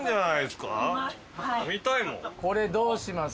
これどうします？